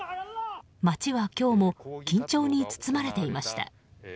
街は今日も緊張に包まれていました。